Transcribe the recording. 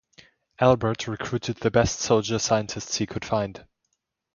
Abert recruited the best soldier-scientists he could find.